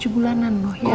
tujuh bulanan loh ya